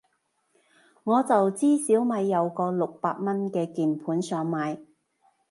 我就知小米有個六百蚊嘅鍵盤想買